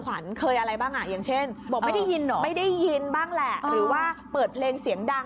คุณตาที่ล้มหัวฟ้า